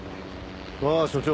ああ署長。